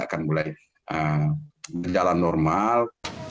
akan mulai jalan normal